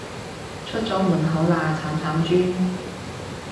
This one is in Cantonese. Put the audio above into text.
出咗門口喇，慘慘豬